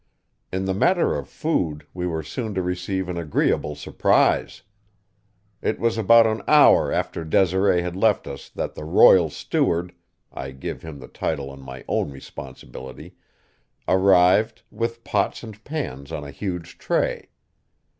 In the matter of food we were soon to receive an agreeable surprise. It was about an hour after Desiree had left us that the royal steward I give him the title on my own responsibility arrived, with pots and pans on a huge tray.